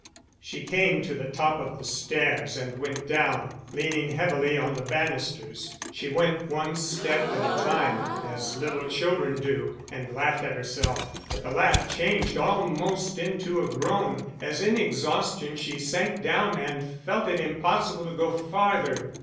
She came to the top of the stairs and went down, leaning heavily on the banisters; she went one step at a time, as little children do, and laughed at herself. But the laugh changed almost into a groan, as in exhaustion she sank down and felt it impossible to go farther.